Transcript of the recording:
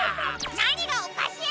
なにがおかしい！